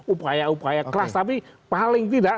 upaya upaya keras tapi paling tidak